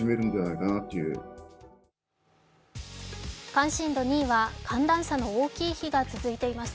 関心度２位は寒暖差の大きい日が続いています。